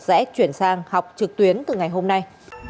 sẽ chuyển sang học trực tuyến từ ngày hôm nay